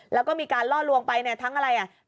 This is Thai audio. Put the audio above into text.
แล้วก็มีการล่อลวงไปทั้งอะไร